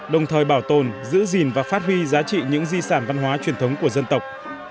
đồng thời bảo tồn giữ gìn và phát huy giá trị những di sản văn hóa truyền thống của dân tộc